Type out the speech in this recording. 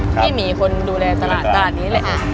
พี่มีคนดูแลตลาดนี้แหละ